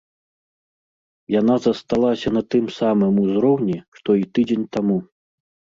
Яна засталася на тым самым узроўні, што і тыдзень таму.